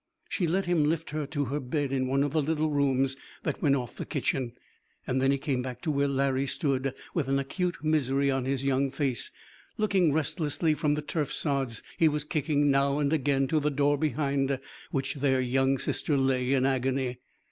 She let him lift her to her bed in one of the little rooms that went off the kitchen. Then he came back to where Larry stood, with an acute misery on his young face, looking restlessly from the turf sods he was kicking now and again to the door behind which their young sister lay in agony.